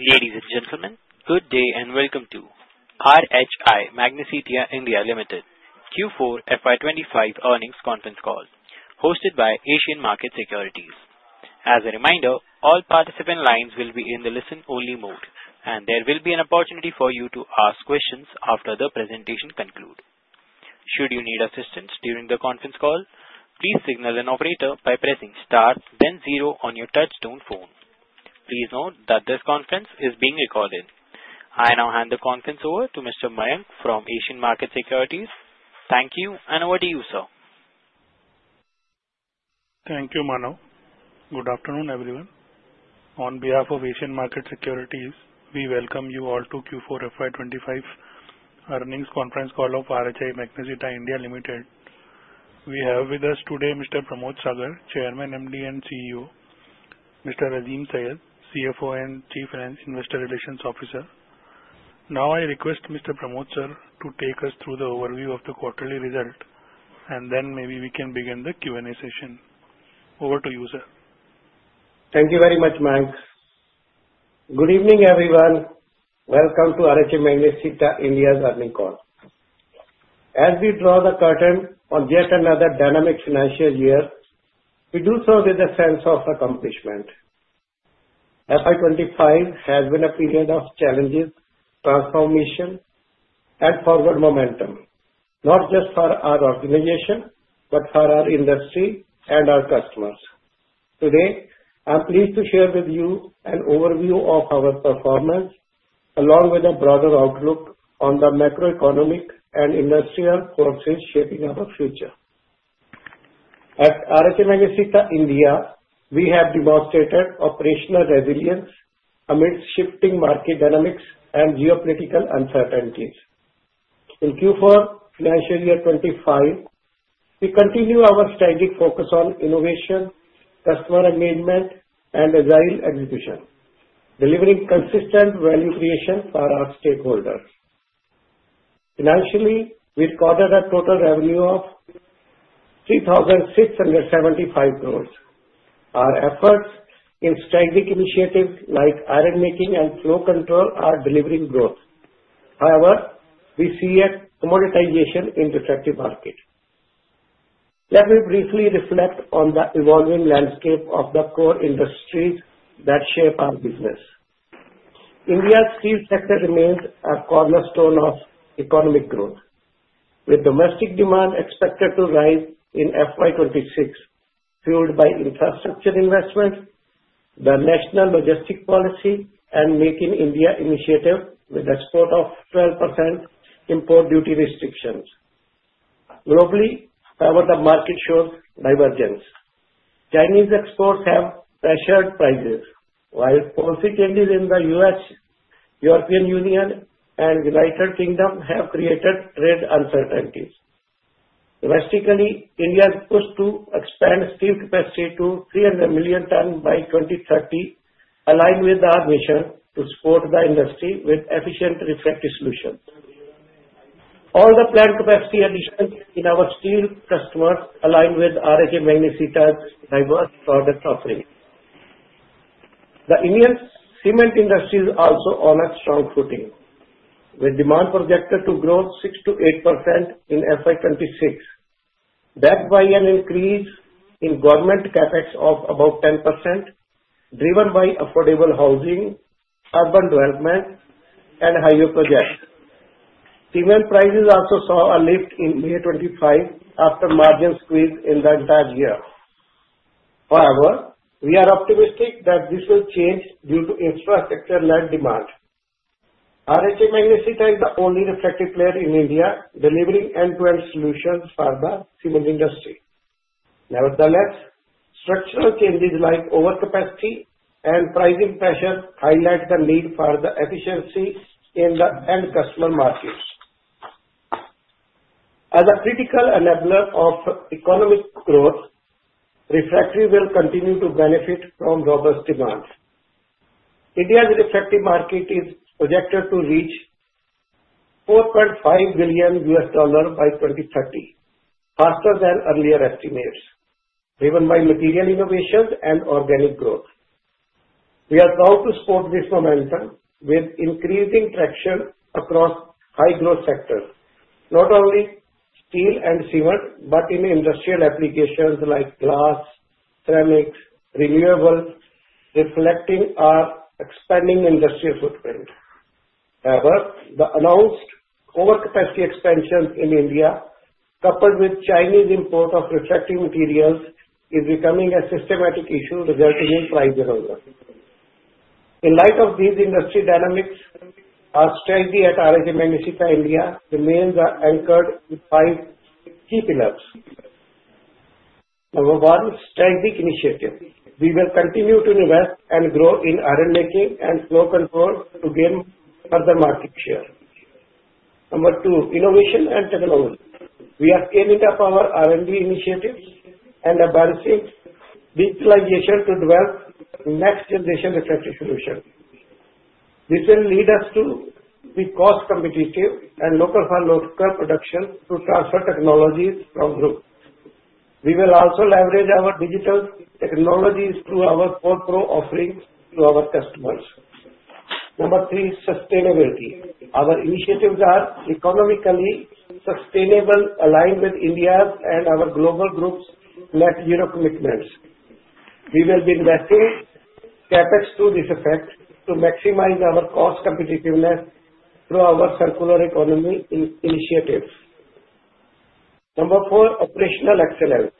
Ladies and gentlemen, good day and welcome to RHI Magnesita India Limited Q4 FY2025 earnings conference call, hosted by Asian Market Securities. As a reminder, all participant lines will be in the listen-only mode, and there will be an opportunity for you to ask questions after the presentation concludes. Should you need assistance during the conference call, please signal an operator by pressing Star, then Zero on your touch-tone phone. Please note that this conference is being recorded. I now hand the conference over to Mr. Manav from Asian Market Securities. Thank you, and over to you, sir. Thank you, Manav. Good afternoon, everyone. On behalf of Asian Market Securities, we welcome you all to Q4 FY2025 earnings conference call of RHI Magnesita India Limited. We have with us today Mr. Parmod Sagar, Chairman, MD and CEO; Mr. Azim Syed, CFO and Chief Investor Relations Officer. Now, I request Mr. Pramod, sir, to take us through the overview of the quarterly result, and then maybe we can begin the Q&A session. Over to you, sir. Thank you very much, Manav. Good evening, everyone. Welcome to RHI Magnesita India's earnings call. As we draw the curtain on yet another dynamic financial year, we do so with a sense of accomplishment. FY25 has been a period of challenges, transformation, and forward momentum, not just for our organization, but for our industry and our customers. Today, I'm pleased to share with you an overview of our performance, along with a broader outlook on the macroeconomic and industrial forces shaping our future. At RHI Magnesita India, we have demonstrated operational resilience amidst shifting market dynamics and geopolitical uncertainties. In Q4 financial year 25, we continue our steady focus on innovation, customer engagement, and agile execution, delivering consistent value creation for our stakeholders. Financially, we recorded a total revenue of INR 3,675 crores. Our efforts in strategic initiatives like iron-making and flow control are delivering growth. However, we see a commoditization in the refractory market. Let me briefly reflect on the evolving landscape of the core industries that shape our business. India's steel sector remains a cornerstone of economic growth, with domestic demand expected to rise in FY2026, fueled by infrastructure investment, the National Logistics Policy, and Make in India initiative with export of 12% import duty restrictions. Globally, however, the market shows divergence. Chinese exports have pressured prices, while policy changes in the U.S., European Union, and United Kingdom have created trade uncertainties. Domestically, India's push to expand steel capacity to 300 million tons by 2030 aligns with our mission to support the industry with efficient refractory solutions. All the planned capacity additions in our steel customers align with RHI Magnesita's diverse product offerings. The Indian cement industry is also on a strong footing, with demand projected to grow 6%-8% in FY2026, backed by an increase in government CapEx of about 10%, driven by affordable housing, urban development, and higher projects. Cement prices also saw a lift in FY25 after margin squeeze in the entire year. However, we are optimistic that this will change due to infrastructure-led demand. RHI Magnesita is the only refractory player in India, delivering end-to-end solutions for the cement industry. Nevertheless, structural changes like overcapacity and pricing pressure highlight the need for efficiency in the end-customer market. As a critical enabler of economic growth, refractory will continue to benefit from robust demand. India's refractory market is projected to reach $4.5 billion by 2030, faster than earlier estimates, driven by material innovations and organic growth. We are proud to support this momentum with increasing traction across high-growth sectors, not only steel and cement, but in industrial applications like glass, ceramics, and renewables, reflecting our expanding industrial footprint. However, the announced overcapacity expansion in India, coupled with Chinese import of refractory materials, is becoming a systematic issue resulting in price erosion. In light of these industry dynamics, our strategy at RHI Magnesita India remains anchored in five key pillars. Number one, strategic initiative. We will continue to invest and grow in iron-making and flow control to gain further market share. Number two, innovation and technology. We have scaled up our R&D initiatives and embracing digitalization to develop next-generation refractory solutions. This will lead us to be cost-competitive and local for local production to transfer technologies from groups. We will also leverage our digital technologies through our 4offerings to our customers. Number three, sustainability. Our initiatives are economically sustainable, aligned with India's and our global group's net-zero commitments. We will be investing CapEx to this effect to maximize our cost-competitiveness through our circular economy initiatives. Number four, operational excellence.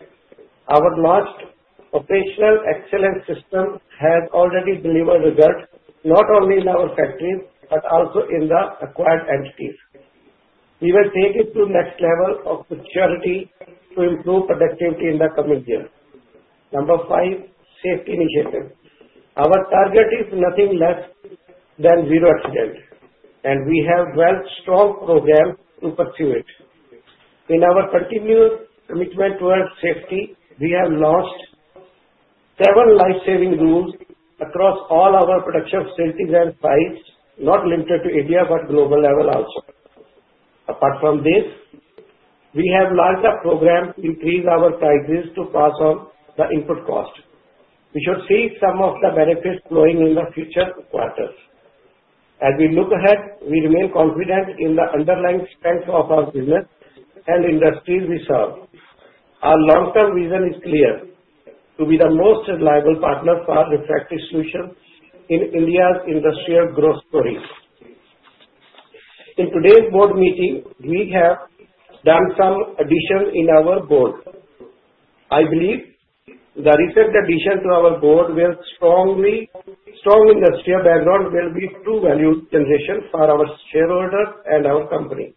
Our launched operational excellence system has already delivered results not only in our factories but also in the acquired entities. We will take it to the next level of maturity to improve productivity in the coming year. Number five, safety initiative. Our target is nothing less than zero accident, and we have developed strong programs to pursue it. In our continued commitment towards safety, we have launched seven Life Saving Rules across all our production facilities and sites, not limited to India but global level also. Apart from this, we have launched a program to increase our prices to pass on the input cost. We should see some of the benefits flowing in the future quarters. As we look ahead, we remain confident in the underlying strength of our business and industries we serve. Our long-term vision is clear: to be the most reliable partner for refractory solutions in India's industrial growth stories. In today's board meeting, we have done some additions in our board. I believe the recent addition to our board will strongly. Strong industrial background will be true value generation for our shareholders and our company.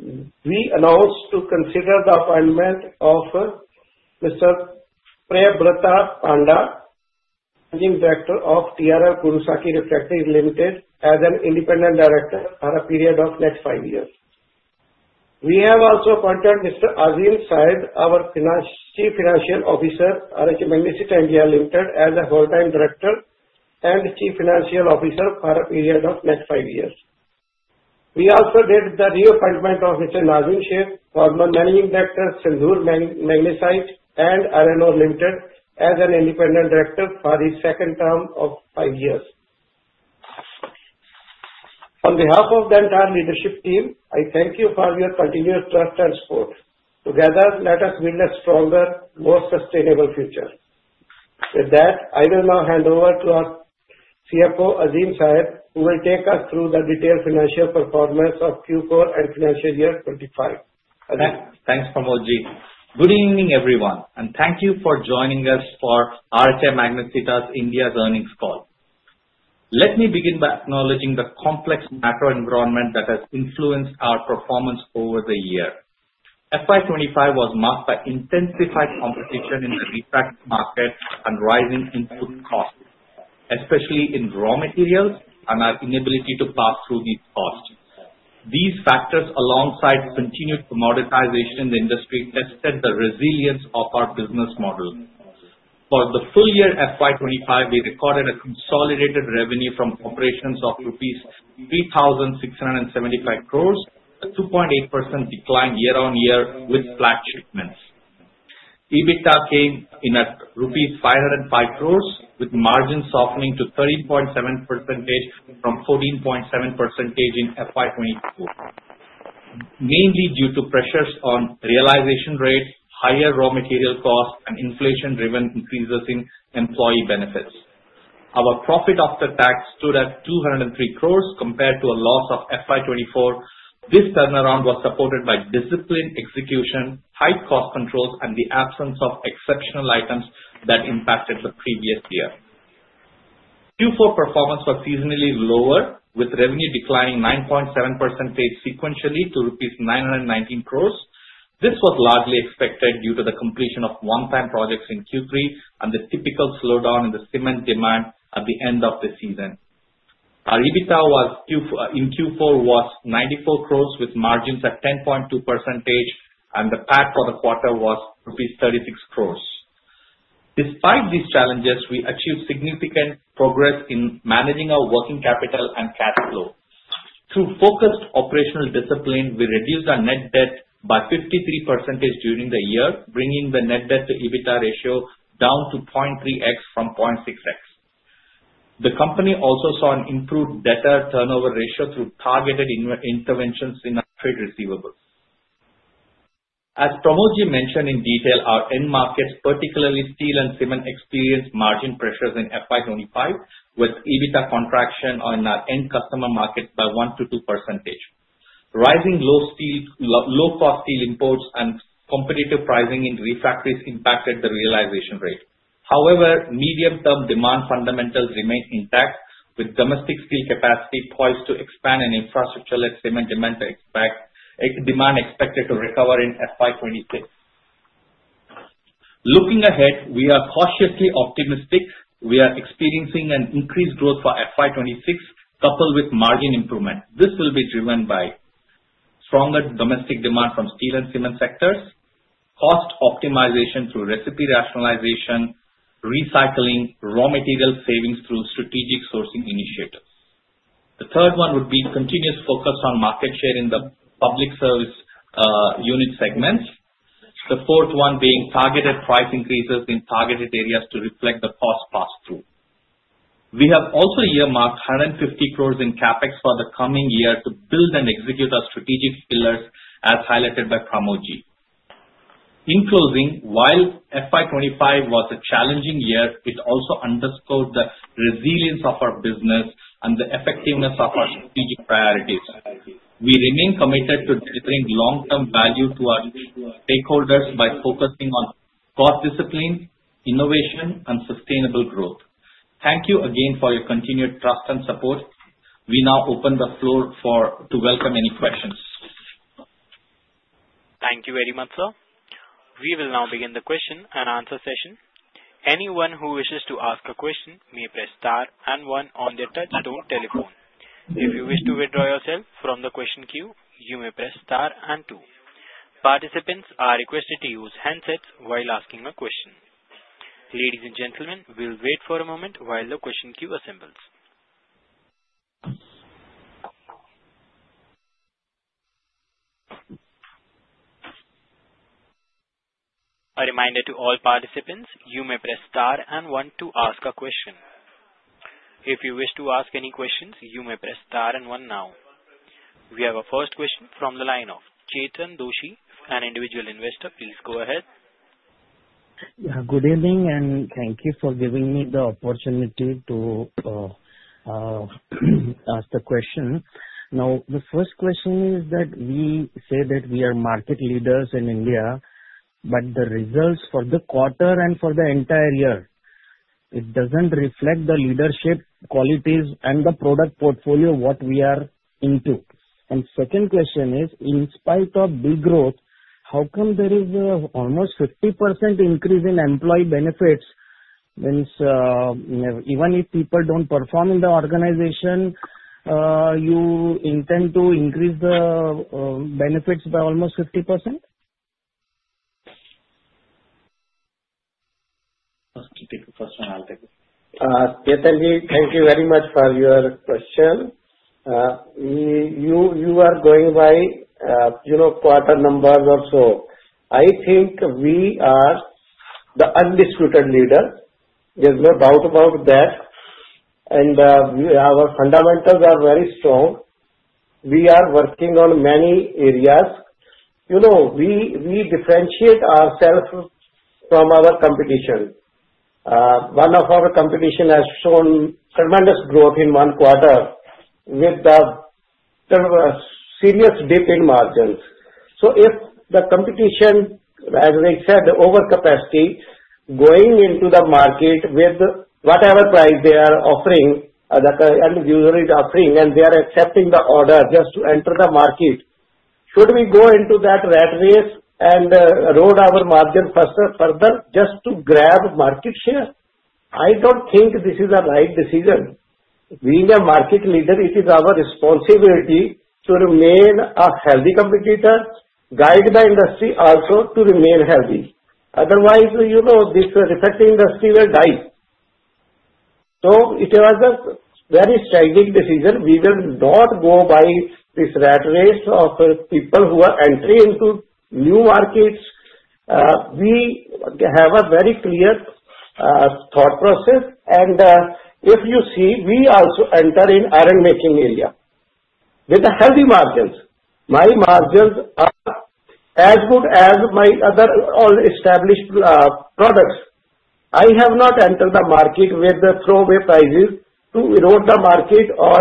We announced to consider the appointment of Mr. Priyabrata Panda, Managing Director of TRL Krosaki Refractories Limited, as an independent director for a period of next five years. We have also appointed Mr. Azim Syed, our Chief Financial Officer, RHI Magnesita India Limited, as a full-time director and Chief Financial Officer for a period of next five years. We also did the reappointment of Mr. Nazim Sheikh, former Managing Director, The Sandur Manganese & Iron Ores Limited, as an independent director for his second term of five years. On behalf of the entire leadership team, I thank you for your continued trust and support. Together, let us build a stronger, more sustainable future. With that, I will now hand over to our CFO, Azim Syed, who will take us through the detailed financial performance of Q4 and financial year 2025. Thanks, Pramodji. Good evening, everyone, and thank you for joining us for RHI Magnesita India's earnings call. Let me begin by acknowledging the complex macroenvironment that has influenced our performance over the year. FY2025 was marked by intensified competition in the refractory market and rising input costs, especially in raw materials and our inability to pass through these costs. These factors, alongside continued commoditization in the industry, tested the resilience of our business model. For the full year FY2025, we recorded a consolidated revenue from operations of rupees 3,675 crores, a 2.8% decline year-on-year with flat shipments. EBITDA came in at 505 crores rupees, with margin softening to 13.7% from 14.7% in FY2024, mainly due to pressures on realization rates, higher raw material costs, and inflation-driven increases in employee benefits. Our profit after tax stood at 203 crores compared to a loss of FY2024. This turnaround was supported by disciplined execution, tight cost controls, and the absence of exceptional items that impacted the previous year. Q4 performance was seasonally lower, with revenue declining 9.7% sequentially to rupees 919 crores. This was largely expected due to the completion of one-time projects in Q3 and the typical slowdown in the cement demand at the end of the season. Our EBITDA in Q4 was 94 crores, with margins at 10.2%, and the PAT for the quarter was rupees 36 crores. Despite these challenges, we achieved significant progress in managing our working capital and cash flow. Through focused operational discipline, we reduced our net debt by 53% during the year, bringing the net debt-to-EBITDA ratio down to 0.3x from 0.6x. The company also saw an improved debtor-turnover ratio through targeted interventions in our trade receivables. As Pramodji mentioned in detail, our end markets, particularly steel and cement, experienced margin pressures in FY2025, with EBITDA contraction in our end-customer market by 1%-2%. Rising low-cost steel imports and competitive pricing in refractories impacted the realization rate. However, medium-term demand fundamentals remained intact, with domestic steel capacity poised to expand and infrastructure-led cement demand expected to recover in FY2026. Looking ahead, we are cautiously optimistic. We are experiencing an increased growth for FY2026, coupled with margin improvement. This will be driven by stronger domestic demand from steel and cement sectors, cost optimization through recipe rationalization, recycling, raw material savings through strategic sourcing initiatives. The third one would be continuous focus on market share in the public sector unit segments. The fourth one being targeted price increases in targeted areas to reflect the cost pass-through. We have also earmarked 150 crores in CapEx for the coming year to build and execute our strategic pillars, as highlighted by Pramodji. In closing, while FY2025 was a challenging year, it also underscored the resilience of our business and the effectiveness of our strategic priorities. We remain committed to delivering long-term value to our stakeholders by focusing on cost discipline, innovation, and sustainable growth. Thank you again for your continued trust and support. We now open the floor to welcome any questions. Thank you very much, sir. We will now begin the question and answer session. Anyone who wishes to ask a question may press star and one on their touch-tone telephone. If you wish to withdraw yourself from the question queue, you may press star and two. Participants are requested to use handsets while asking a question. Ladies and gentlemen, we'll wait for a moment while the question queue assembles. A reminder to all participants, you may press star and one to ask a question. If you wish to ask any questions, you may press star and one now. We have a first question from the line of Chintan Doshi, an individual investor. Please go ahead. Yeah, good evening, and thank you for giving me the opportunity to ask the question. Now, the first question is that we say that we are market leaders in India, but the results for the quarter and for the entire year, it doesn't reflect the leadership qualities and the product portfolio what we are into. And second question is, in spite of big growth, how come there is almost 50% increase in employee benefits? Even if people don't perform in the organization, you intend to increase the benefits by almost 50%? Okay, take the first one. I'll take it. Chintan, thank you very much for your question. You are going by quarter numbers also. I think we are the undisputed leader. There's no doubt about that. And our fundamentals are very strong. We are working on many areas. We differentiate ourselves from our competition. One of our competition has shown tremendous growth in one quarter with a serious dip in margins. So if the competition, as I said, overcapacity going into the market with whatever price they are offering, the end user is offering, and they are accepting the order just to enter the market, should we go into that rat race and roll our margin further just to grab market share? I don't think this is a right decision. Being a market leader, it is our responsibility to remain a healthy competitor, guide the industry also to remain healthy. Otherwise, this refractory industry will die. So it was a very strategic decision. We will not go by this rat race of people who are entering into new markets. We have a very clear thought process, and if you see, we also enter in iron-making area with healthy margins. My margins are as good as my other established products. I have not entered the market with throwaway prices to erode the market or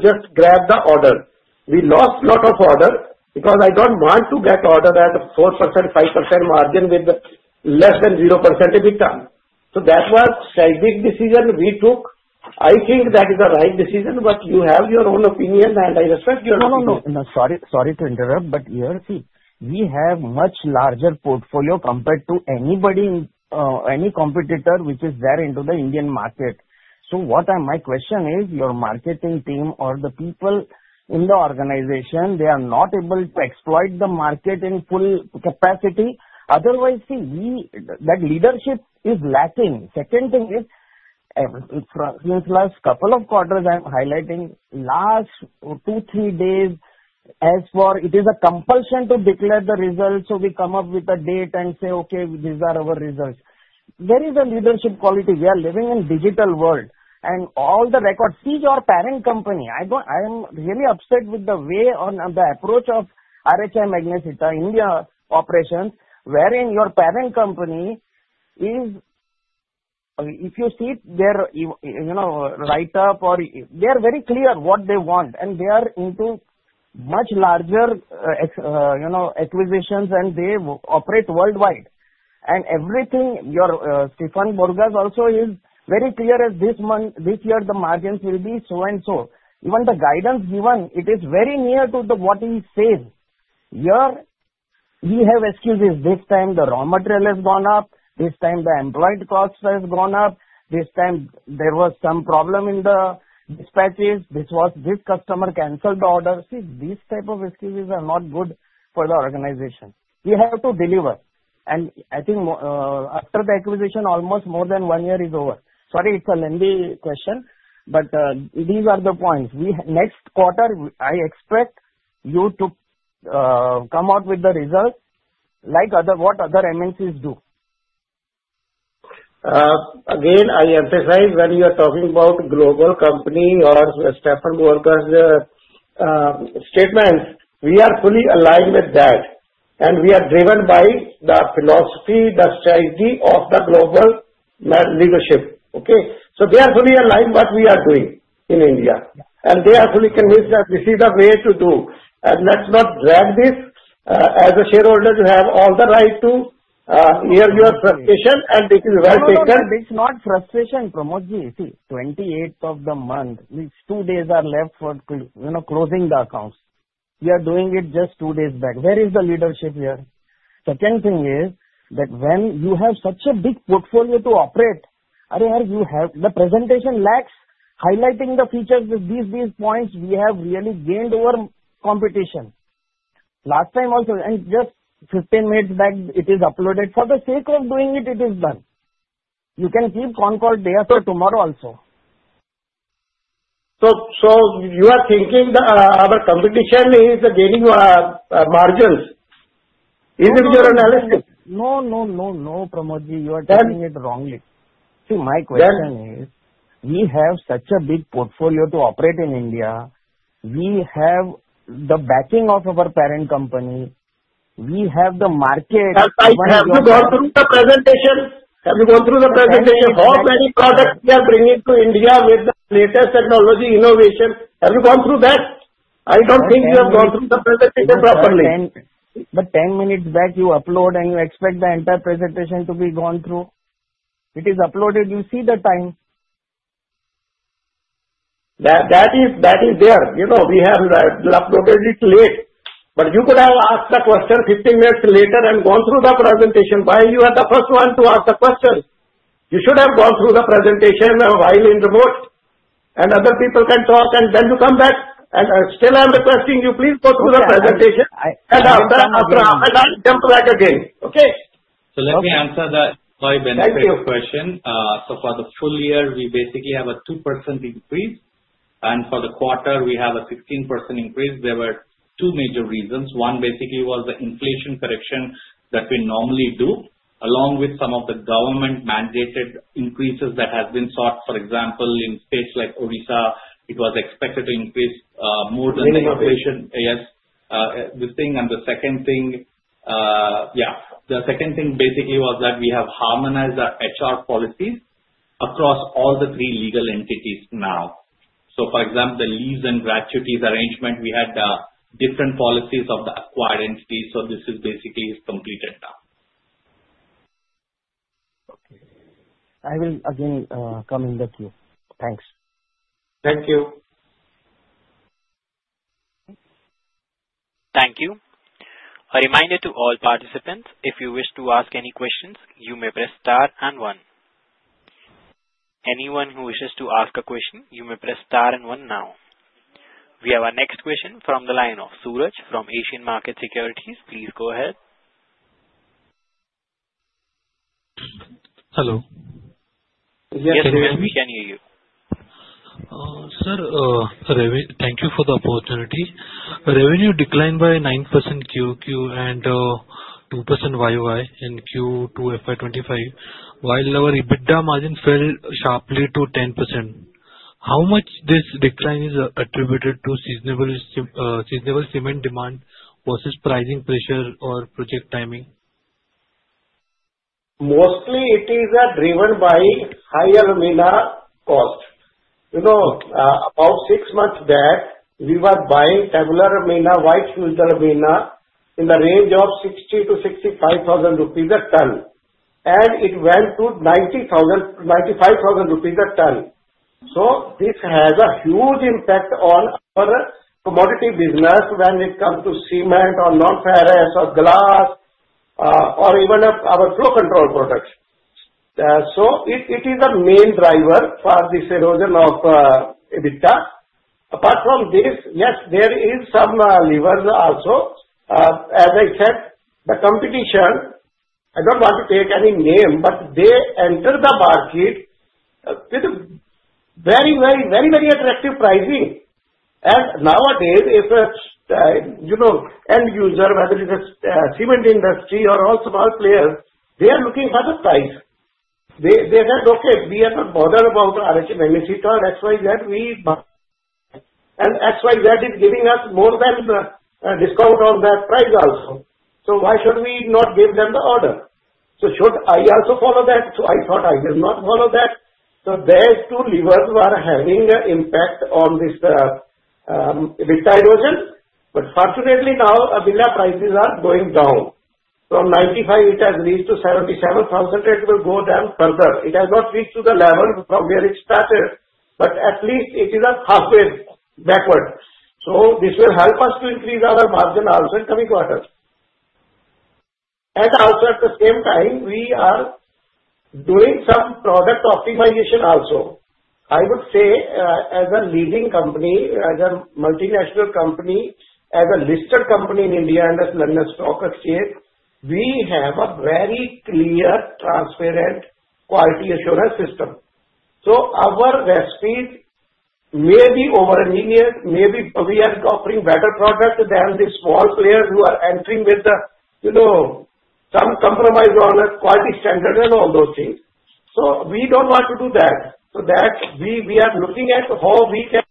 just grab the order. We lost a lot of order because I don't want to get order at 4%-5% margin with less than 0% EBITDA, so that was a strategic decision we took. I think that is a right decision, but you have your own opinion, and I respect your opinion. No, no, no. Sorry to interrupt, but you see, we have a much larger portfolio compared to any competitor which is there into the Indian market. So what my question is, your marketing team or the people in the organization, they are not able to exploit the market in full capacity. Otherwise, that leadership is lacking. Second thing is, since the last couple of quarters, I'm highlighting the last two, three days as far as it is a compulsion to declare the results. So we come up with a date and say, "Okay, these are our results." There is a leadership quality. We are living in a digital world, and all the records see your parent company. I am really upset with the way on the approach of RHI Magnesita India operations, wherein your parent company is, if you see their write-up, they are very clear what they want, and they are into much larger acquisitions, and they operate worldwide. Everything, your Stefan Borgas also is very clear that this year the margins will be so and so. Even the guidance given, it is very near to what he says. We have excuses. This time, the raw material has gone up. This time, the employee cost has gone up. This time, there was some problem in the dispatches. This customer canceled the order. See, these types of excuses are not good for the organization. We have to deliver. I think after the acquisition, almost more than one year is over. Sorry, it's a lengthy question, but these are the points. Next quarter, I expect you to come out with the results like what other MNCs do. Again, I emphasize when you are talking about global company or Stefan Borgas' statements, we are fully aligned with that. And we are driven by the philosophy, the strategy of the global leadership. Okay? So they are fully aligned with what we are doing in India. And they are fully convinced that this is the way to do. And let's not drag this. As a shareholder, you have all the right to hear your frustration, and this is well taken. It's not frustration, Pramodji. See, 28th of the month, which two days are left for closing the accounts. We are doing it just two days back. Where is the leadership here? Second thing is that when you have such a big portfolio to operate, the presentation lacks highlighting the features with these points. We have really gained over competition. Last time also, and just 15 minutes back, it is uploaded. For the sake of doing it, it is done. You can keep on-call day after tomorrow also. So you are thinking our competition is gaining margins. Is it your analysis? No, no, no, no, Pramodji. You are telling it wrongly. See, my question is, we have such a big portfolio to operate in India. We have the backing of our parent company. We have the market. Have you gone through the presentation? Have you gone through the presentation? How many products we are bringing to India with the latest technology innovation? Have you gone through that? I don't think you have gone through the presentation properly. But 10 minutes back, you upload, and you expect the entire presentation to be gone through. It is uploaded. You see the time. That is there. We have uploaded it late. But you could have asked the question 15 minutes later and gone through the presentation while you are the first one to ask the question. You should have gone through the presentation while in remote, and other people can talk, and then you come back, and still, I'm requesting you, please go through the presentation and jump back again. Okay? Let me answer the Employee Benefits question. For the full year, we basically have a 2% increase. For the quarter, we have a 16% increase. There were two major reasons. One basically was the inflation correction that we normally do, along with some of the government-mandated increases that have been sought. For example, in states like Odisha, it was expected to increase more than the inflation. Yes. This thing and the second thing, yeah, the second thing basically was that we have harmonized our HR policies across all the three legal entities now. So for example, the leaves and gratuities arrangement, we had different policies of the acquired entities. So this is basically completed now. Okay. I will again come in the queue. Thanks. Thank you. Thank you. A reminder to all participants, if you wish to ask any questions, you may press star and one. Anyone who wishes to ask a question, you may press star and one now. We have our next question from the line of Suraj from Asian Market Securities. Please go ahead. Hello. Yes, we can hear you. Sir, thank you for the opportunity. Revenue declined by 9% QQ and 2% YoY in Q2 FY2025, while our EBITDA margin fell sharply to 10%. How much this decline is attributed to seasonal cement demand versus pricing pressure or project timing? Mostly, it is driven by higher alumina cost. About six months back, we were buying tabular alumina, white fused alumina, in the range of 60,000-65,000 rupees a ton. And it went to 95,000 rupees a ton. So this has a huge impact on our commodity business when it comes to cement or non-ferrous or glass or even our flow control products. So it is a main driver for the erosion of EBITDA. Apart from this, yes, there is some lever also. As I said, the competition, I don't want to take any name, but they enter the market with very, very, very, very attractive pricing. And nowadays, if an end user, whether it is a cement industry or all small players, they are looking for the price. They said, "Okay, we are not bothered about RHI Magnesita XYZ. XYZ is giving us more than a discount on that price also. "So why should we not give them the order?" So should I also follow that? So I thought I will not follow that. So those two levers were having an impact on this EBITDA erosion. But fortunately, now alumina prices are going down. From 95, it has reached to 77 thousand. It will go down further. It has not reached to the level from where it started, but at least it is a halfway backward. So this will help us to increase our margin also in coming quarters. And also, at the same time, we are doing some product optimization also. I would say, as a leading company, as a multinational company, as a listed company in India and as London Stock Exchange, we have a very clear, transparent quality assurance system. Our recipes may be overengineered. Maybe we are offering better products than the small players who are entering with some compromise on quality standards and all those things. We don't want to do that. We are looking at how we can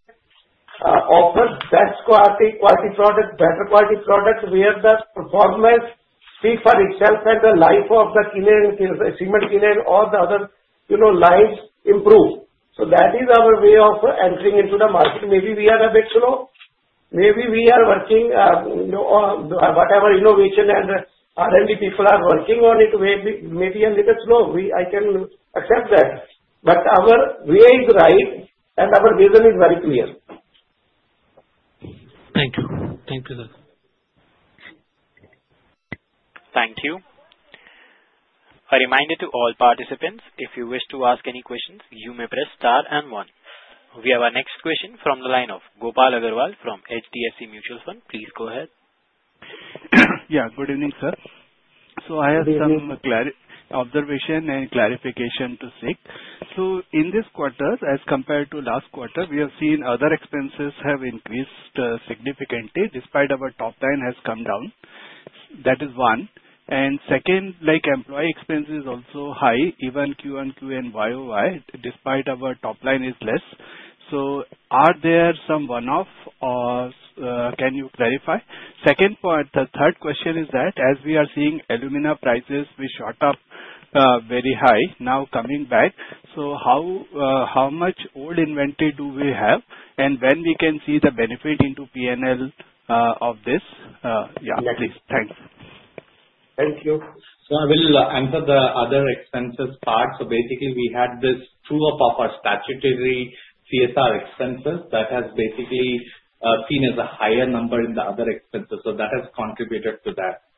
offer best quality products, better quality products, where the performance speaks for itself and the life of the cement, all the other lines improve. That is our way of entering into the market. Maybe we are a bit slow. Maybe we are working on whatever innovation and R&D people are working on it. Maybe a little slow. I can accept that. But our way is right, and our vision is very clear. Thank you. Thank you, sir. Thank you. A reminder to all participants, if you wish to ask any questions, you may press star and one. We have our next question from the line of Gopal Agrawal from HDFC Mutual Fund. Please go ahead. Yeah. Good evening, sir. So I have some observation and clarification to make. So in this quarter, as compared to last quarter, we have seen other expenses have increased significantly despite our top line has come down. That is one. And second, employee expenses also high, even Q1, Q2, and YoY, despite our top line is less. So are there some one-off or can you clarify? Second point, the third question is that as we are seeing alumina prices which shot up very high, now coming back, so how much old inventory do we have? And when we can see the benefit into P&L of this? Yeah, please. Thanks. Thank you. So I will answer the other expenses part. So basically, we had this true-up of our statutory CSR expenses that has basically seen as a higher number in the other expenses. So that has contributed to that.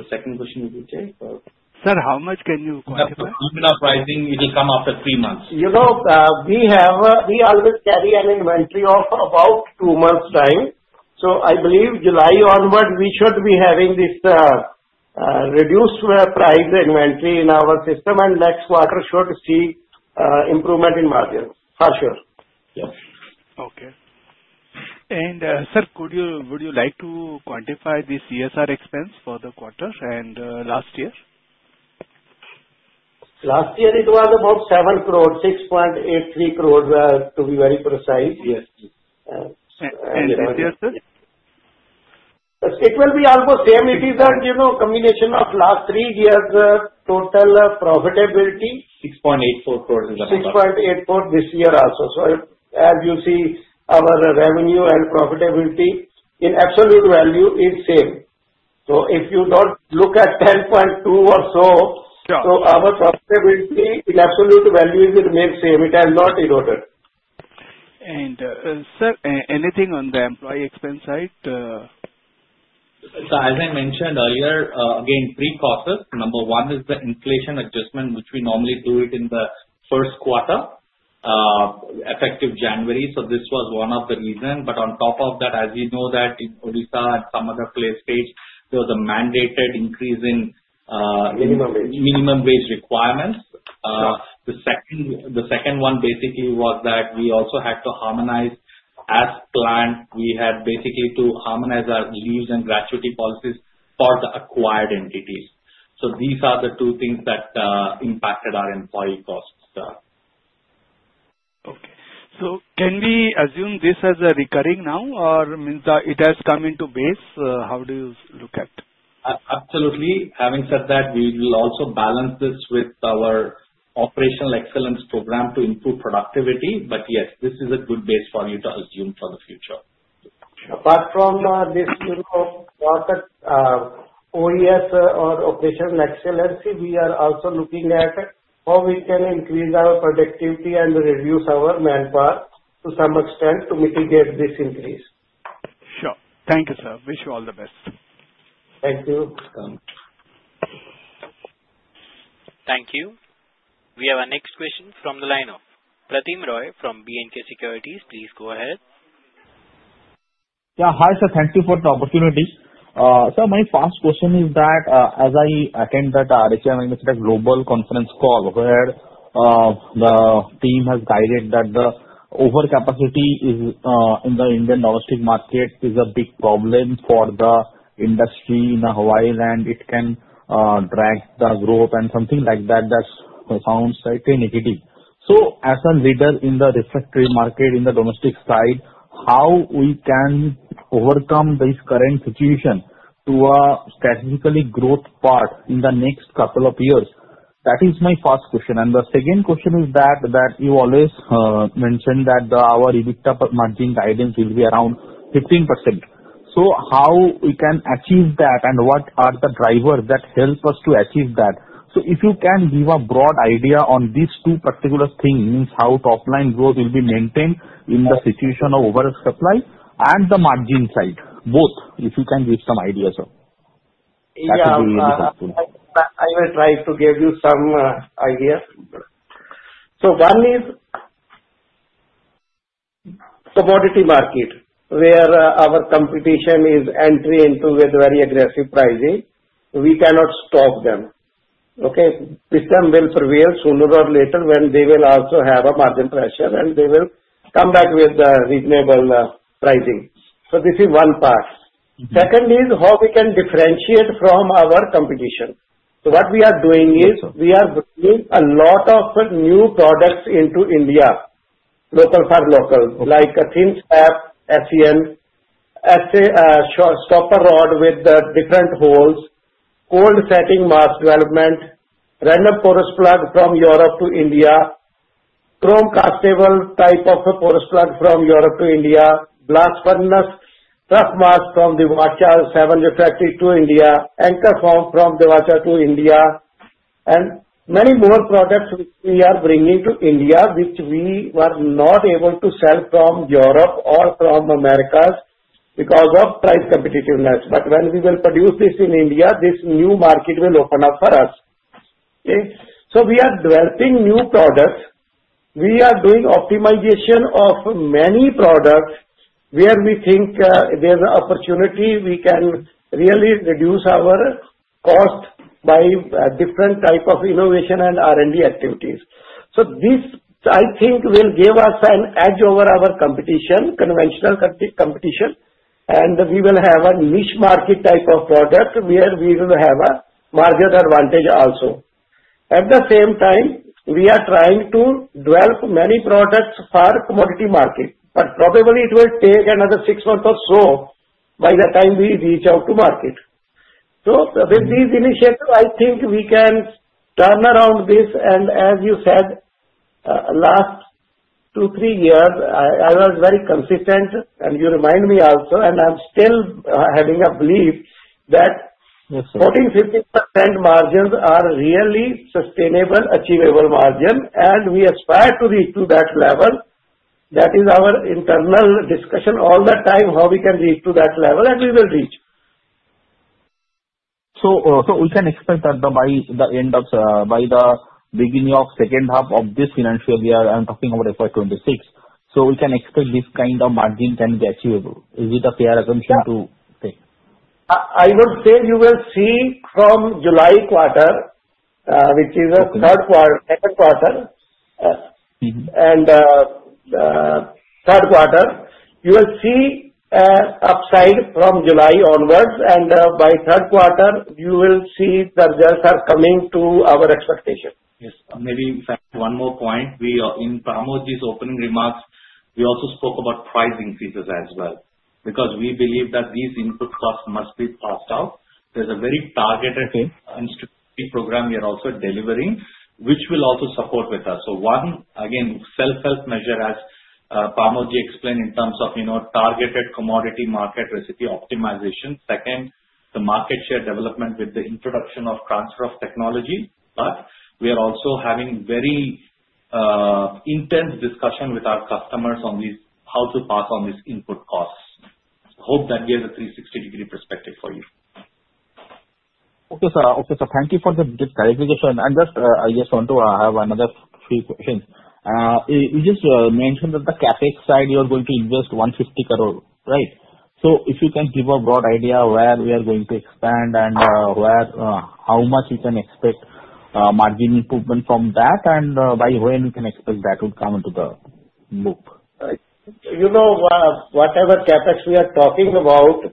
The second question you would take or? Sir, how much can you quantify? Alumina pricing, it will come after three months. We always carry an inventory of about two months' time. So I believe July onward, we should be having this reduced price inventory in our system. And next quarter, we should see improvement in margins, for sure. Yes. Okay. And sir, would you like to quantify the CSR expense for the quarter and last year? Last year, it was about 7 crores, 6.83 crores, to be very precise. Yes. This year, sir? It will be almost the same. It is a combination of last three years' total profitability. 6.84 crores in the last year. 6.84% this year also. So as you see, our revenue and profitability in absolute value is the same. So if you don't look at 10.2% or so, so our profitability in absolute value remains the same. It has not eroded. Sir, anything on the employee expense side? So as I mentioned earlier, again, three causes. Number one is the inflation adjustment, which we normally do it in the first quarter, effective January. So this was one of the reasons. But on top of that, as you know, that in Odisha and some other places, there was a mandated increase in. Minimum wage. Minimum wage requirements. The second one basically was that we also had to harmonize as planned. We had basically to harmonize our leaves and gratuity policies for the acquired entities. So these are the two things that impacted our employee costs. Okay. So can we assume this as a recurring now, or it has come into base? How do you look at it? Absolutely. Having said that, we will also balance this with our operational excellence program to improve productivity. But yes, this is a good base for you to assume for the future. Apart from this OES or operational excellence, we are also looking at how we can increase our productivity and reduce our manpower to some extent to mitigate this increase. Sure. Thank you, sir. Wish you all the best. Thank you. Thank you. We have our next question from the line of Pratim Roy from B&K Securities. Please go ahead. Yeah. Hi, sir. Thank you for the opportunity. Sir, my first question is that as I attended the RHI Magnesita Global Conference call where the team has guided that the overcapacity in the Indian domestic market is a big problem for the industry in India and it can drag the growth and something like that that sounds slightly negative. So as a leader in the refractory market in the domestic side, how we can overcome this current situation to a strategic growth path in the next couple of years? That is my first question. And the second question is that you always mentioned that our EBITDA margin guidance will be around 15%. So how we can achieve that and what are the drivers that help us to achieve that? So if you can give a broad idea on these two particular things, how top line growth will be maintained in the situation of over supply and the margin side, both, if you can give some ideas of. That would be really helpful. I will try to give you some ideas. So one is commodity market where our competition is entering into with very aggressive pricing. We cannot stop them. Okay? The system will prevail sooner or later when they will also have a margin pressure and they will come back with reasonable pricing. So this is one part. Second is how we can differentiate from our competition. So what we are doing is we are bringing a lot of new products into India, local for local, like a thin slab, SEN, stopper rod with different holes, cold setting mix development, random porous plug from Europe to India, chrome castable type of porous plug from Europe to India, blast furnace trough mix from Veitsch refractory to India, Anker from Veitsch to India, and many more products which we are bringing to India which we were not able to sell from Europe or from America because of price competitiveness. But when we will produce this in India, this new market will open up for us. Okay? So we are developing new products. We are doing optimization of many products where we think there's an opportunity we can really reduce our cost by different type of innovation and R&D activities. So this, I think, will give us an edge over our conventional competition, and we will have a niche market type of product where we will have a margin advantage also. At the same time, we are trying to develop many products for commodity market. But probably it will take another six months or so by the time we reach out to market. So with these initiatives, I think we can turn around this. And as you said, last two, three years, I was very consistent, and you remind me also, and I'm still having a belief that 14%-15% margins are really sustainable, achievable margin, and we aspire to reach to that level. That is our internal discussion all the time how we can reach to that level, and we will reach. We can expect that by the beginning of the second half of this financial year, I'm talking about FY2026, so we can expect this kind of margin can be achievable. Is it a fair assumption to say? I would say you will see from July quarter, which is the second quarter, and third quarter, you will see upside from July onwards, and by third quarter, you will see the results are coming to our expectation. Yes. Maybe, in fact, one more point. In some of these opening remarks, we also spoke about price increases as well because we believe that these input costs must be passed on. There's a very targeted program we are also delivering, which will also support us. So one, again, self-help measure, as Pramod explained in terms of targeted commodity mix price optimization. Second, the market share development with the introduction of transfer of technology. But we are also having very intense discussion with our customers on how to pass on these input costs. Hope that gives a 360-degree perspective for you. Okay, sir. Thank you for the clarification. And I just want to have another few questions. You just mentioned that the CapEx side, you are going to invest 150 crores, right? So if you can give a broad idea where we are going to expand and how much we can expect margin improvement from that, and by when we can expect that would come into the book? Whatever CapEx we are talking about,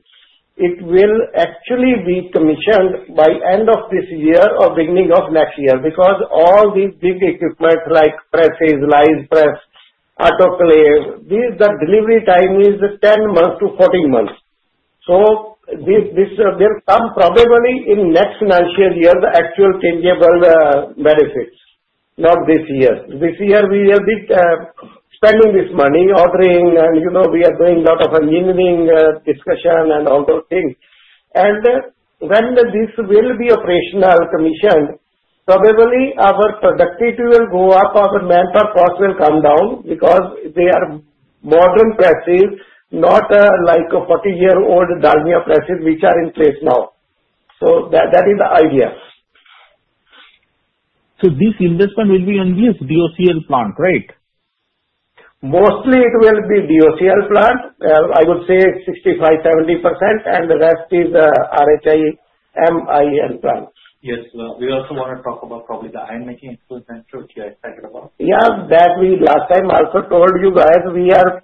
it will actually be commissioned by end of this year or beginning of next year because all these big equipment like presses, hydraulic press, autoclave. The delivery time is 10 months to 14 months. So there will come probably in next financial year the actual tangible benefits, not this year. This year, we will be spending this money, ordering, and we are doing a lot of engineering discussion and all those things, and when this will be operational commissioned, probably our productivity will go up, our manpower cost will come down because they are modern presses, not like 40-year-old Dalmia presses which are in place now. So that is the idea. So this investment will be in this DOCL plant, right? Mostly it will be DOCL plant. I would say 65%-70%, and the rest is RHI Magnesita plant. Yes. We also want to talk about probably the iron-making excellence center, which you are excited about. Yeah. That we last time also told you guys we are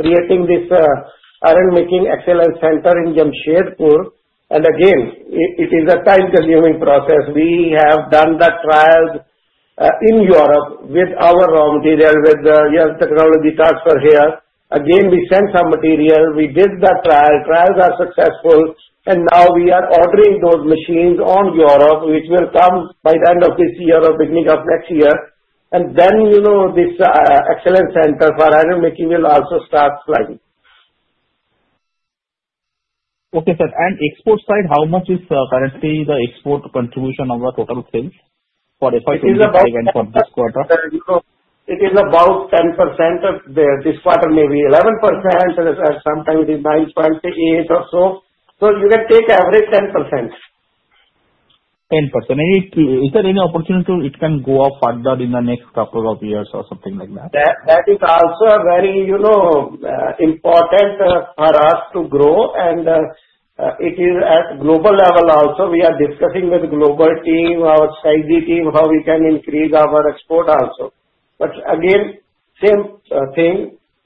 creating this iron-making excellence center in Jamshedpur, and again, it is a time-consuming process. We have done the trials in Europe with our raw material, with the technology transfer here. Again, we sent some material. We did the trial. Trials are successful, and now we are ordering those machines from Europe, which will come by the end of this year or beginning of next year, and then this excellence center for iron-making will also start flying. Okay, sir. And export side, how much is currently the export contribution of the total sales for FY2025 and for this quarter? It is about 10%. This quarter, maybe 11%, sometimes it is 9.8% or so. So you can take average 10%. 10%. Is there any opportunity it can go up further in the next couple of years or something like that? That is also very important for us to grow. And it is at global level also. We are discussing with the global team, our strategy team, how we can increase our export also. But again, same thing.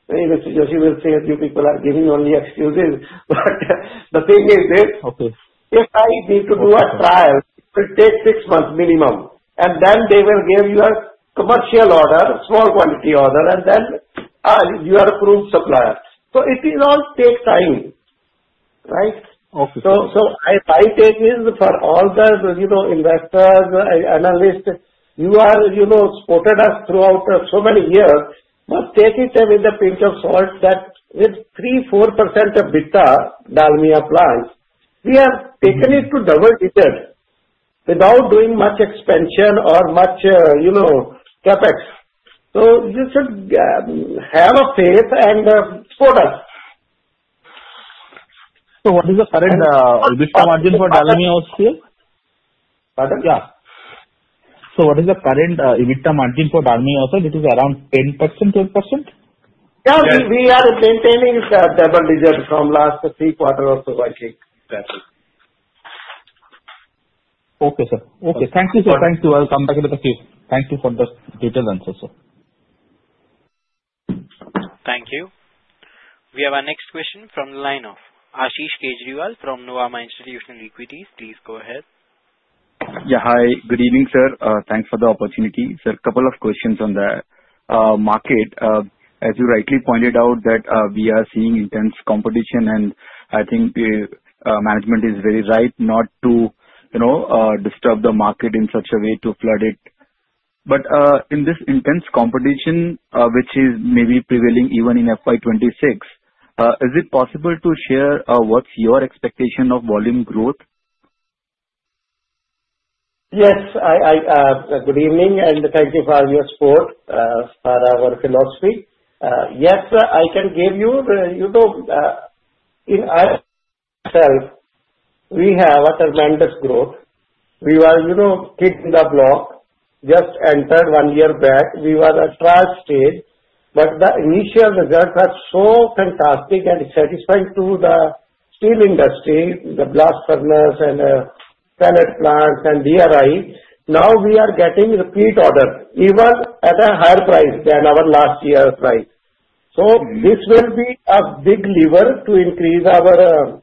As you will see, a few people are giving only excuses. But the thing is this. If I need to do a trial, it will take six months minimum. And then they will give you a commercial order, small quantity order, and then you are approved supplier. So it will all take time, right? Okay. So my take is for all the investors, analysts, you supported us throughout so many years. But take it with a pinch of salt that with 3-4% of the Dalmia plants, we have taken it to double digit without doing much expansion or much CapEx. So you should have a faith and support us. So what is the current margin for Dalmia also here? Pardon? Yeah. So what is the current EBITDA margin for Dalmia also? It is around 10%-12%? Yeah. We are maintaining double-digit from last three quarters also, I think. Exactly. Okay, sir. Okay. Thank you, sir. Thank you. I'll come back with a few. Thank you for the detailed answer, sir. Thank you. We have our next question from the line of Ashish Kejriwal from Nuvama Institutional Equities. Please go ahead. Yeah. Hi. Good evening, sir. Thanks for the opportunity. Sir, a couple of questions on the market. As you rightly pointed out, we are seeing intense competition, and I think management is very right not to disturb the market in such a way to flood it. But in this intense competition, which is maybe prevailing even in FY26, is it possible to share what's your expectation of volume growth? Yes. Good evening, and thank you for your support for our philosophy. Yes, I can give you. In itself, we have a tremendous growth. We were kicked off the block. Just entered one year back. We were at a trial stage. But the initial results are so fantastic and satisfying to the steel industry, the blast furnace, and pellet plants, and DRI. Now we are getting repeat order, even at a higher price than our last year's price. So this will be a big lever to increase our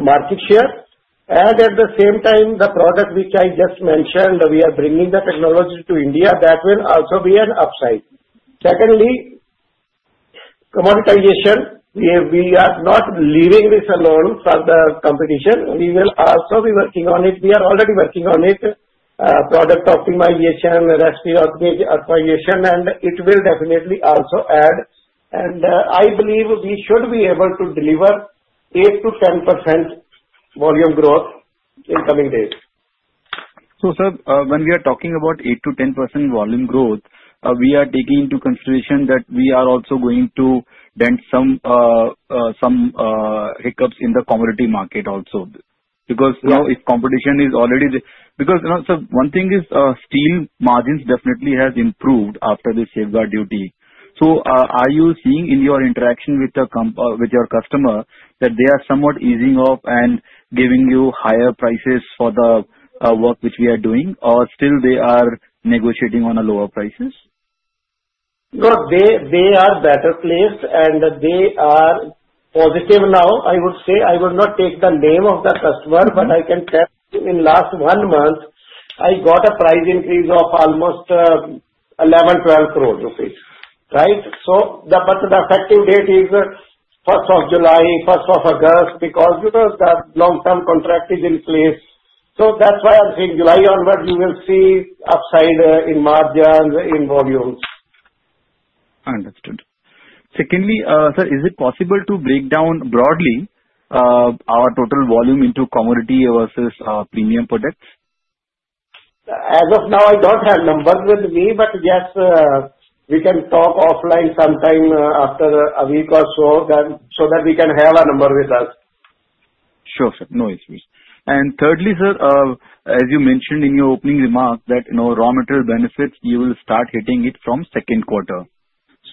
market share. And at the same time, the product which I just mentioned, we are bringing the technology to India. That will also be an upside. Secondly, commoditization. We are not leaving this alone for the competition. We will also be working on it. We are already working on it, product optimization, recipe, acquisition, and it will definitely also add. I believe we should be able to deliver 8%-10% volume growth in coming days. Sir, when we are talking about 8%-10% volume growth, we are taking into consideration that we are also going to dent some hiccups in the commodity market also because now if competition is already because sir, one thing is steel margins definitely have improved after the safeguard duty. So are you seeing in your interaction with your customer that they are somewhat easing off and giving you higher prices for the work which we are doing, or still they are negotiating on a lower prices? No, they are better placed, and they are positive now. I would say I will not take the name of the customer, but I can tell you in last one month, I got a price increase of almost 11-12 crore rupees, right? But the effective date is 1st of July, 1st of August because the long-term contract is in place. So that's why I'm saying July onward, you will see upside in margins, in volumes. Understood. Secondly, sir, is it possible to break down broadly our total volume into commodity versus premium products? As of now, I don't have numbers with me, but yes, we can talk offline sometime after a week or so so that we can have a number with us. Sure, sir. No issues. And thirdly, sir, as you mentioned in your opening remarks that raw material benefits, you will start hitting it from second quarter.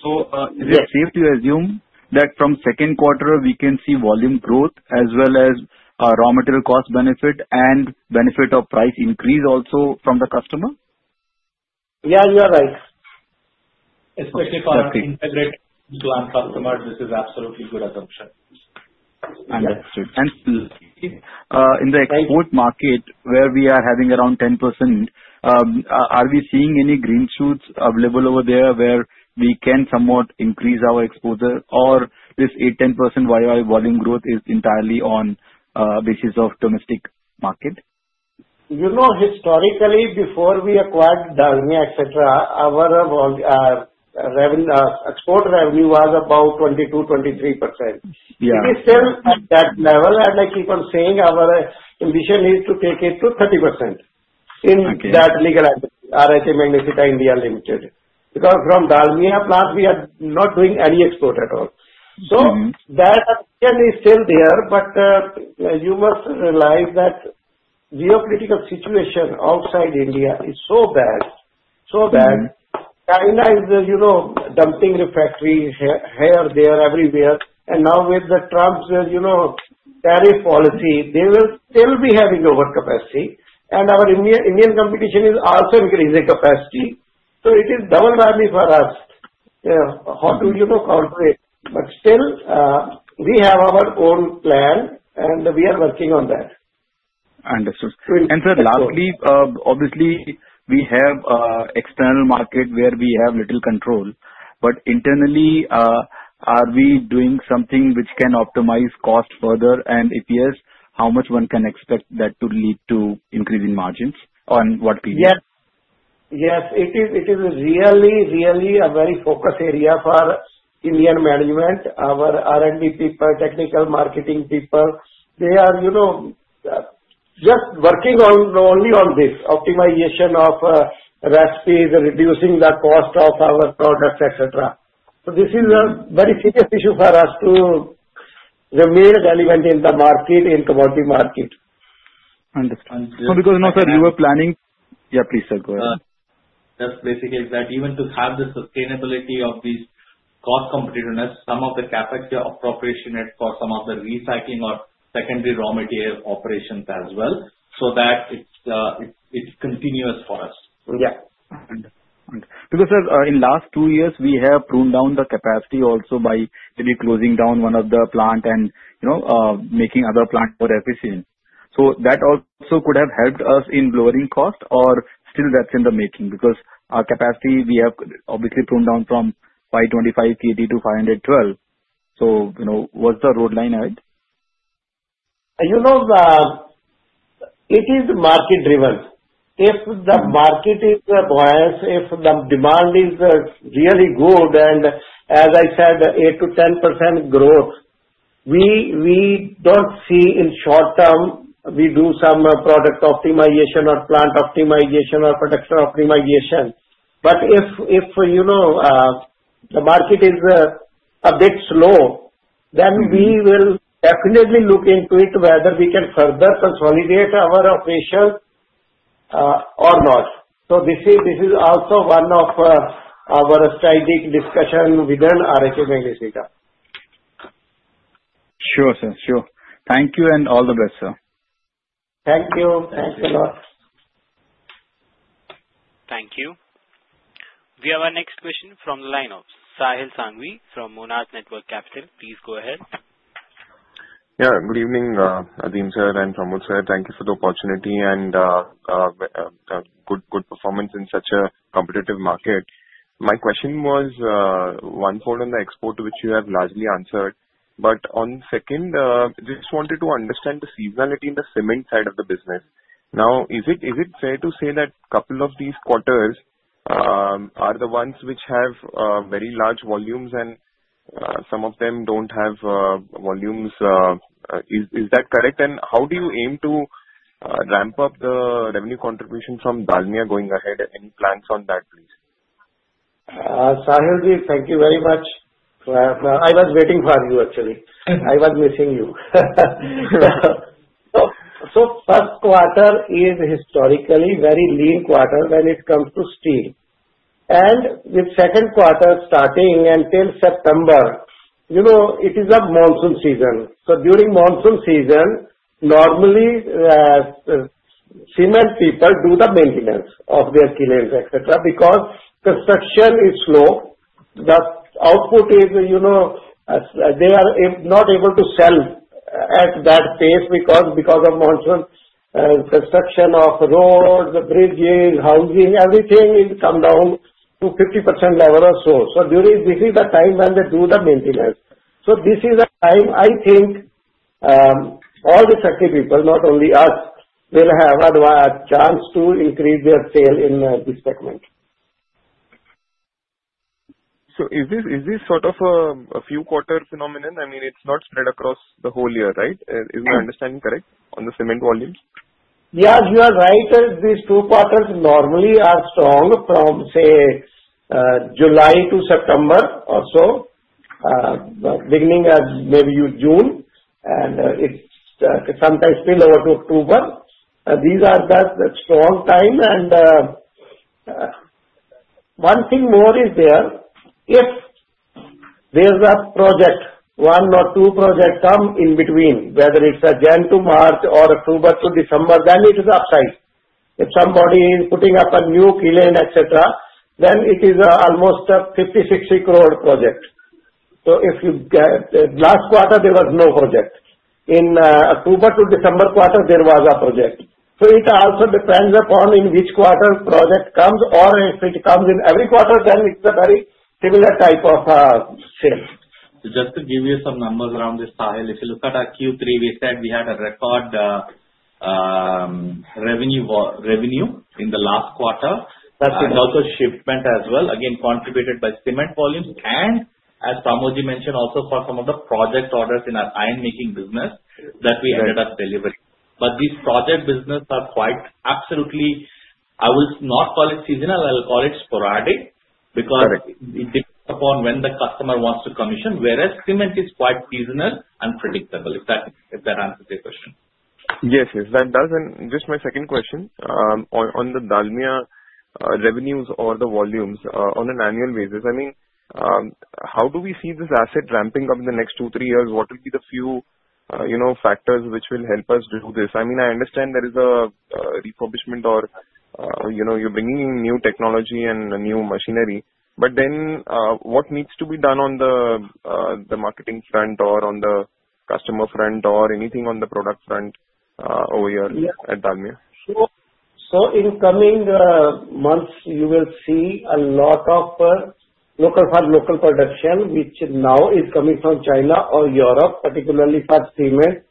So is it safe to assume that from second quarter, we can see volume growth as well as raw material cost benefit and benefit of price increase also from the customer? Yeah, you are right. Exactly. Especially for integrated plant customers, this is absolutely good assumption. Understood. And in the export market where we are having around 10%, are we seeing any green shoots available over there where we can somewhat increase our exposure, or this 8-10% YY volume growth is entirely on basis of domestic market? Historically, before we acquired Dalmia, etc., our export revenue was about 22-23%. It is still at that level. I keep on saying our ambition is to take it to 30% in that legal entity, RHI Magnesita India Limited, because from Dalmia plants, we are not doing any export at all. That ambition is still there, but you must realize that geopolitical situation outside India is so bad, so bad. China is dumping refractories here, there, everywhere. Now with Trump's tariff policy, they will still be having overcapacity. Our Indian competition is also increasing capacity. So it is double whammy for us. How do you counter it? Still, we have our own plan, and we are working on that. Understood. And sir, lastly, obviously, we have external market where we have little control, but internally, are we doing something which can optimize cost further? And if yes, how much one can expect that to lead to increasing margins on what period? Yes. It is really, really a very focused area for Indian management, our R&D people, technical marketing people. They are just working only on this, optimization of recipes, reducing the cost of our products, etc. So this is a very serious issue for us to remain relevant in the market, in commodity market. Understood. So, because, sir, you were planning. Yeah, please, sir. Go ahead. That's basically that even to have the sustainability of these cost competitiveness, some of the CapEx we are appropriating for some of the recycling or secondary raw material operations as well so that it's continuous for us. Yeah. Understood. Understood. Because, sir, in the last two years, we have pruned down the capacity also by maybe closing down one of the plants and making other plants more efficient. So that also could have helped us in lowering cost, or still that's in the making because our capacity, we have obviously pruned down from 525 KD to 512. So what's the roadmap ahead? It is market-driven. If the market is buoyant, if the demand is really good, and as I said, 8% to 10% growth, we don't see in short term, we do some product optimization or plant optimization or production optimization. But if the market is a bit slow, then we will definitely look into it whether we can further consolidate our operations or not. So this is also one of our strategic discussions within RHI Magnesita. Sure, sir. Sure. Thank you, and all the best, sir. Thank you. Thanks a lot. Thank you. We have our next question from the line of Sahil Sanghvi from Monarch Networth Capital. Please go ahead. Yeah. Good evening, Azim sir and Pramod sir. Thank you for the opportunity and good performance in such a competitive market. My question was one-fold on the export, which you have largely answered. But on the second, just wanted to understand the seasonality in the cement side of the business. Now, is it fair to say that a couple of these quarters are the ones which have very large volumes and some of them don't have volumes? Is that correct? And how do you aim to ramp up the revenue contribution from Dalmia going ahead and any plans on that, please? Sahil ji, thank you very much. I was waiting for you, actually. I was missing you. So first quarter is historically a very lean quarter when it comes to steel. And with second quarter starting until September, it is a monsoon season. So during monsoon season, normally, cement people do the maintenance of their kilns, etc., because construction is slow. The output is they are not able to sell at that pace because of monsoon. Construction of roads, bridges, housing, everything will come down to 50% level or so. So this is the time when they do the maintenance. So this is a time, I think, all the sector people, not only us, will have a chance to increase their sale in this segment. So is this sort of a few quarter phenomenon? I mean, it's not spread across the whole year, right? Is my understanding correct on the cement volumes? Yeah, you are right. These two quarters normally are strong from, say, July to September or so, beginning as maybe June, and it sometimes spills over to October. These are the strong times. And one thing more is there. If there's a project, one or two projects come in between, whether it's a January to March or October to December, then it is upside. If somebody is putting up a new kiln, etc., then it is almost a 50-60 crore project. So if last quarter, there was no project. In October to December quarter, there was a project. So it also depends upon in which quarter project comes, or if it comes in every quarter, then it's a very similar type of sale. So just to give you some numbers around this, Sahil, if you look at our Q3, we said we had a record revenue in the last quarter. That's another shipment as well, again, contributed by cement volumes. And as Pramodji mentioned, also for some of the project orders in our iron-making business that we ended up delivering. But these project business are quite absolutely I will not call it seasonal. I will call it sporadic because it depends upon when the customer wants to commission, whereas cement is quite seasonal and predictable, if that answers your question. Yes, yes. Just my second question on the Dalmia revenues or the volumes on an annual basis. I mean, how do we see this asset ramping up in the next two, three years? What will be the few factors which will help us do this? I mean, I understand there is a refurbishment or you're bringing in new technology and new machinery, but then what needs to be done on the marketing front or on the customer front or anything on the product front over here at Dalmia? So in coming months, you will see a lot of local production, which now is coming from China or Europe, particularly for cement,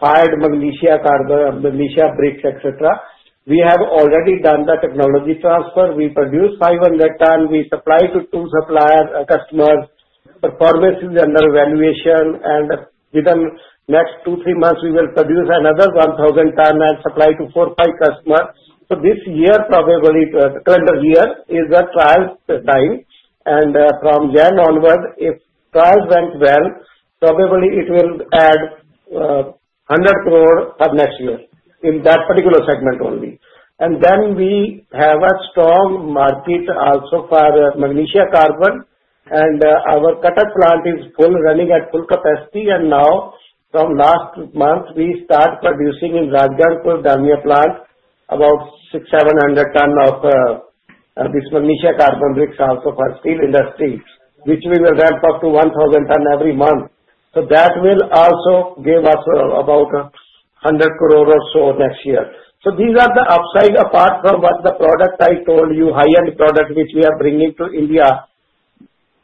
fired magnesia bricks, etc. We have already done the technology transfer. We produce 500 tons. We supply to two customers. Performance is under evaluation. And within the next two, three months, we will produce another 1,000 tons and supply to four, five customers. So this year, probably calendar year, is a trial time. And from then onward, if trials went well, probably it will add 100 crore for next year in that particular segment only. And then we have a strong market also for magnesia carbon. And our cutting plant is full, running at full capacity. Now, from last month, we started producing in Rajgangpur Dalmia plant about 6,700 tons of this magnesia carbon bricks also for steel industry, which we will ramp up to 1,000 tons every month. So that will also give us about 100 crore or so next year. So these are the upside. Apart from the product I told you, high-end product, which we are bringing to India,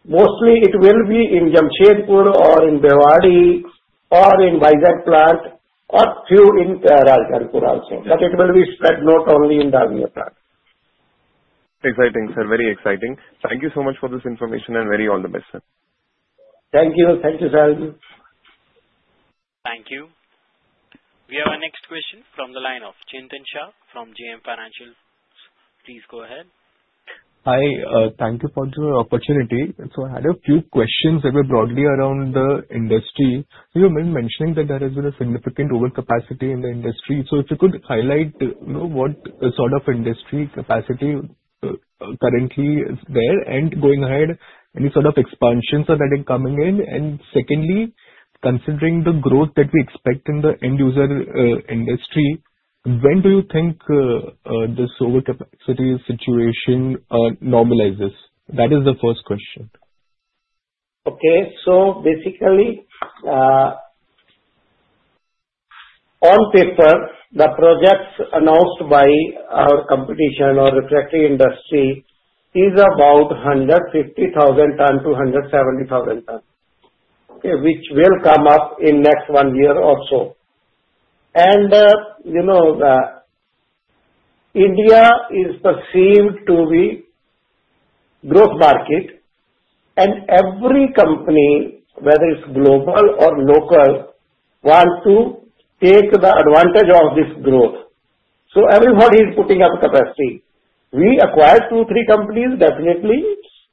mostly it will be in Jamshedpur or in Bhiwadi or in Visakhapatnam plant or a few in Rajgangpur also. But it will be spread not only in Dalmia plant. Exciting, sir. Very exciting. Thank you so much for this information and very all the best, sir. Thank you. Thank you, Sahil ji. Thank you. We have our next question from the line of Chintan Shah from JM Financial. Please go ahead. Hi. Thank you for the opportunity. So I had a few questions a bit broadly around the industry. You mentioned that there has been a significant overcapacity in the industry. So if you could highlight what sort of industry capacity currently is there and going ahead, any sort of expansions that are coming in? And secondly, considering the growth that we expect in the end-user industry, when do you think this overcapacity situation normalizes? That is the first question. Okay. So basically, on paper, the projects announced by our competitors in the refractory industry are about 150,000-170,000 tons, which will come up in the next one year or so. And India is perceived to be a growth market, and every company, whether it's global or local, wants to take the advantage of this growth. So everybody is putting up capacity. We acquired two, three companies, definitely,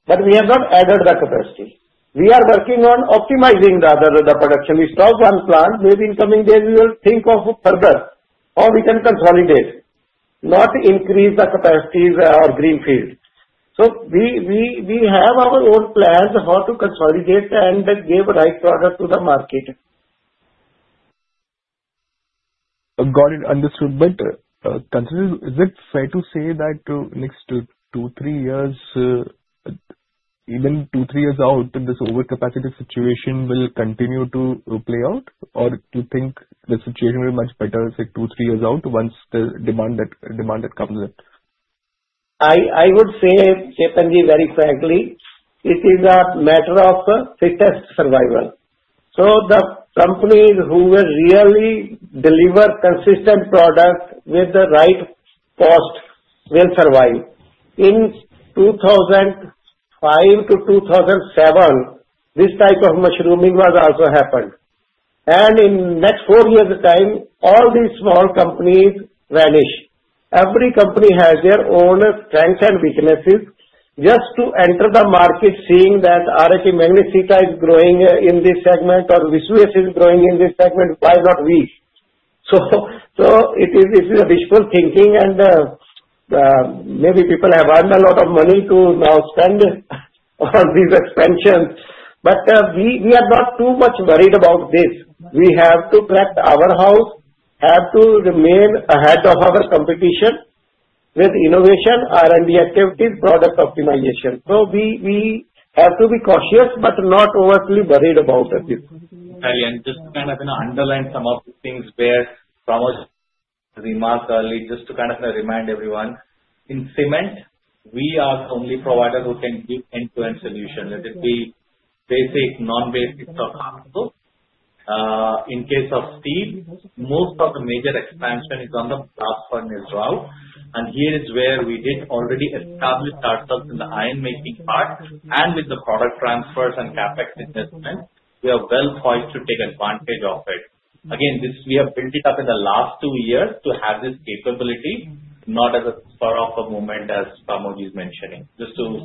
but we have not added the capacity. We are working on optimizing the production. We stopped one plant. Maybe in coming days, we will think of further, or we can consolidate, not increase the capacities or greenfield. So we have our own plans how to consolidate and give the right product to the market. Got it. Understood. But is it fair to say that next two, three years, even two, three years out, this overcapacity situation will continue to play out, or do you think the situation will be much better two, three years out once the demand that comes in? I would say, Chintanji, very frankly, it is a matter of fittest survival, so the companies who will really deliver consistent product with the right cost will survive. In 2005 to 2007, this type of mushrooming also happened, and in the next four years' time, all these small companies vanish. Every company has their own strengths and weaknesses. Just to enter the market, seeing that RHI Magnesita is growing in this segment or Veitsch is growing in this segment, why not we, so it is a wishful thinking, and maybe people have earned a lot of money to now spend on these expansions, but we are not too much worried about this. We have to protect our house, have to remain ahead of our competition with innovation, R&D activities, product optimization, so we have to be cautious but not overly worried about it. Just to kind of underline some of the things where Pramodji remarked earlier, just to kind of remind everyone, in cement, we are the only provider who can give end-to-end solution, whether it be basic, non-basic, or carbon. In case of steel, most of the major expansion is on the platform as well. And here is where we did already establish ourselves in the iron-making part. And with the product transfers and CapEx investment, we are well poised to take advantage of it. Again, we have built it up in the last two years to have this capability, not as a spur-of-the-moment as Pramodji is mentioning, just to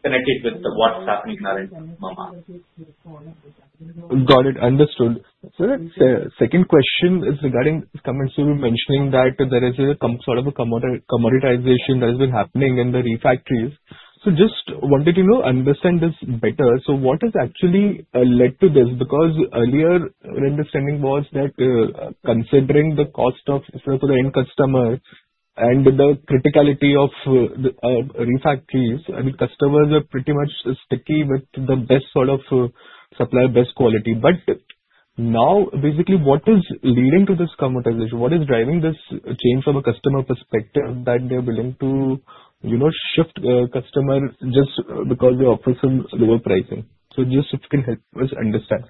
connect it with what's happening in our industry in Manesar. Got it. Understood. So the second question is regarding comments you were mentioning that there is sort of a commoditization that has been happening in the refractories. So just wanted to understand this better. So what has actually led to this? Because earlier, my understanding was that considering the cost of the end customer and the criticality of refractories, I mean, customers are pretty much sticky with the best sort of supplier, best quality. But now, basically, what is leading to this commoditization? What is driving this change from a customer perspective that they are willing to shift customer just because they offer some lower pricing? So just if you can help us understand.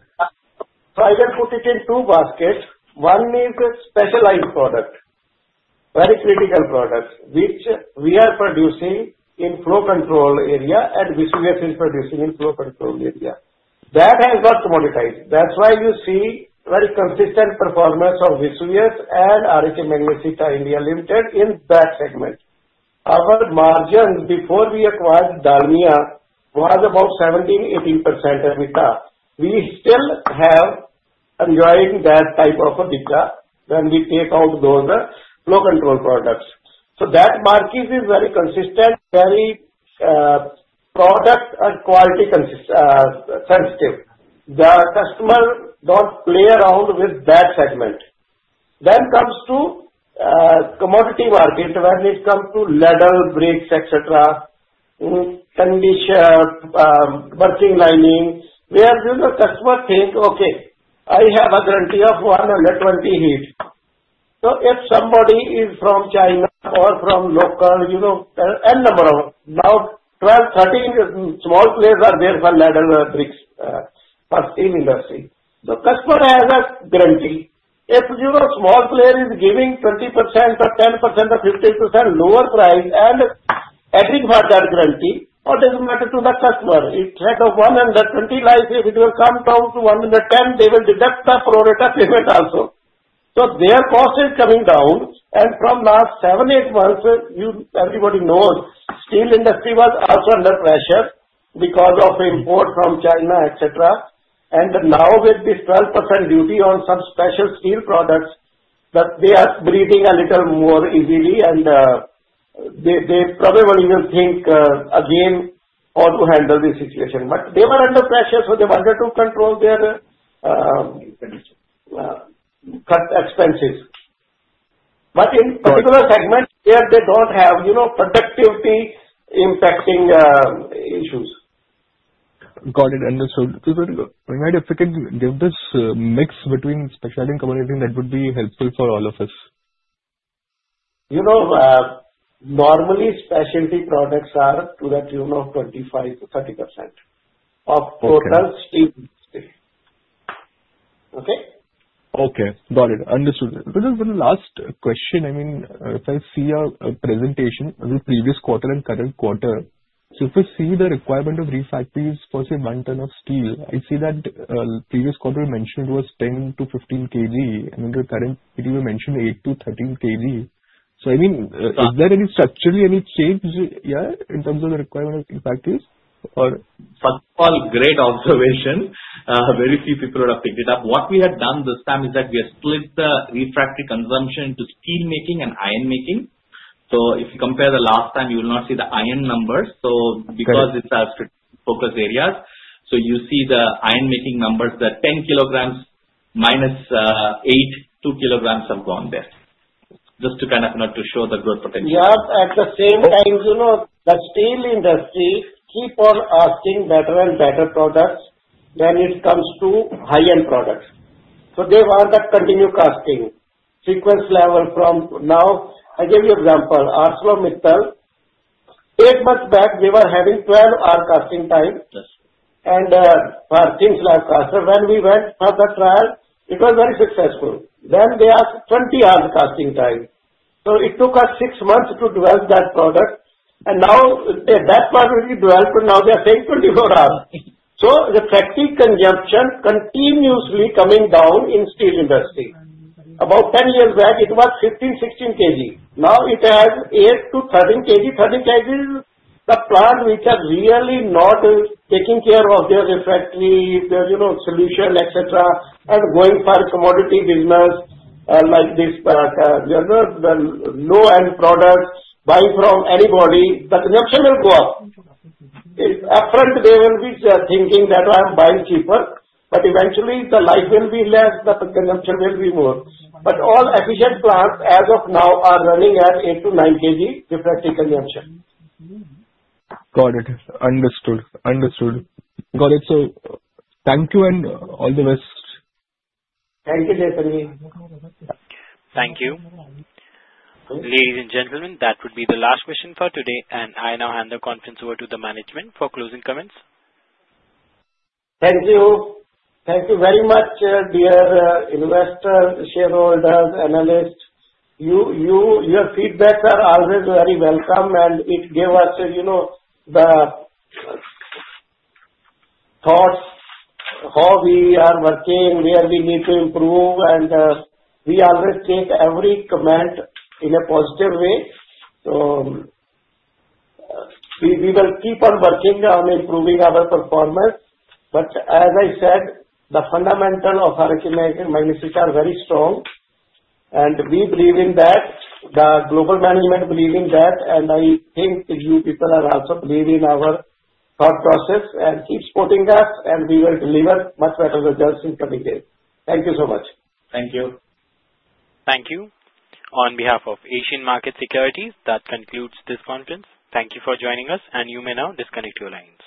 So I can put it in two baskets. One is a specialized product, very critical product, which we are producing in flow control area, and Veitsch is producing in flow control area. That has got commoditized. That's why you see very consistent performance of Veitsch and RHI Magnesita India Limited in that segment. Our margin before we acquired Dalmia was about 17%-18% EBITDA. We still have enjoyed that type of EBITDA when we take out those flow control products. So that margin is very consistent, very product and quality sensitive. The customer does play around with that segment. Then, in the commodity market when it comes to ladle bricks, etc., working lining, where the customer thinks, "Okay, I have a guarantee of 120 heats." So if somebody is from China or from local and now there are 12, 13 small players for ladle bricks for steel industry. The customer has a guarantee. If a small player is giving 20% or 10% or 15% lower price and asking for that guarantee, what does it matter to the customer? Instead of 120 heats, if it will come down to 110, they will deduct the per-heat payment also. So their cost is coming down. For the last seven, eight months, everybody knows the steel industry was also under pressure because of imports from China, etc. And now with this 12% duty on some special steel products, they are breathing a little more easily, and they probably will think again how to handle this situation. But they were under pressure, so they wanted to control their cut expenses. But in particular segments, where they don't have productivity-impacting issues. Got it. Understood. If you can give this mix between specialty and commodity, I think that would be helpful for all of us. Normally, specialty products are to that 25%-30% of total steel. Okay? Okay. Got it. Understood. So just one last question. I mean, if I see your presentation of the previous quarter and current quarter, so if we see the requirement of refractories for, say, one ton of steel, I see that previous quarter you mentioned was 10-15 kg, and in the current, you mentioned 8-13 kg. So I mean, is there structurally any change in terms of the requirement of refractories, or? First of all, great observation. Very few people would have picked it up. What we had done this time is that we have split the refractory consumption into steel making and iron making. So if you compare the last time, you will not see the iron numbers because it's our focus areas. So you see the iron making numbers, the 10 kilograms minus 8.2 kilograms have gone there, just to kind of show the growth potential. Yeah. At the same time, the steel industry keeps on asking better and better products when it comes to high-end products. So they want to continue casting sequence level from now. I give you an example. ArcelorMittal, eight months back, they were having 12-hour casting time. And for things like casting, when we went for the trial, it was very successful. Then they asked 20-hour casting time. So it took us six months to develop that product. And now that was already developed, and now they are saying 24 hours. So the refractory consumption continuously coming down in steel industry. About 10 years back, it was 15-16 kg. Now it has 8-13 kg. 13 kg is the plant which has really not taken care of their refractory, their solution, etc., and going for commodity business like this, the low-end products, buying from anybody. The consumption will go up. Upfront, they will be thinking that, "I'm buying cheaper." But eventually, the life will be less, but the consumption will be more. But all efficient plants, as of now, are running at 8-9 kg refractory consumption. Got it. Understood. Understood. Got it. So thank you, and all the best. Thank you, Chintan. Thank you. Ladies and gentlemen, that would be the last question for today, and I now hand the conference over to the management for closing comments. Thank you. Thank you very much, dear investors, shareholders, analysts. Your feedback is always very welcome, and it gives us the thoughts on how we are working, where we need to improve, and we always take every comment in a positive way, so we will keep on working on improving our performance, but as I said, the fundamentals of RHI Magnesita are very strong, and we believe in that. The global management believes in that, and I think you people are also believing in our thought process and keep supporting us, and we will deliver much better results in 20 days. Thank you so much. Thank you. Thank you. On behalf of Asian Market Securities, that concludes this conference. Thank you for joining us, and you may now disconnect your lines.